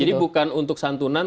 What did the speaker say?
jadi bukan untuk santunan